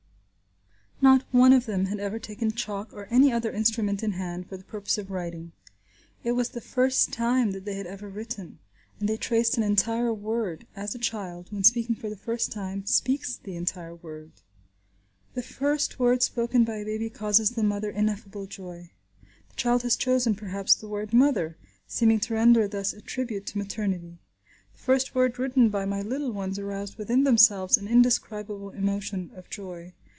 Not one of them had ever taken chalk or any other instrument in hand for the purpose of writing. It was the first time that they had ever written, and they traced an entire word, as a child, when speaking for the first time, speaks the entire word. The first word spoken by a baby causes the mother ineffable joy. The child has chosen perhaps the word "mother," seeming to render thus a tribute to maternity. The first word written by my little ones aroused within themselves an indescribable emotion of joy.